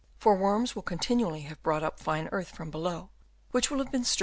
For worms will continually have brought up fine earth from below, which will have been stirred Chap.